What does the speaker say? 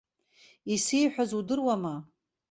Исеиҳәаз удыруама.